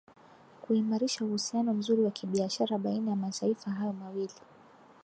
kuimarisha uhusiano mzuri wa kibiashara baina ya mataifa hayo mawili